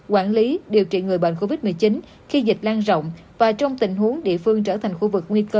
quản lý điều trị người bệnh covid một mươi chín khi dịch lan rộng và trong tình huống địa phương trở thành khu vực nguy cơ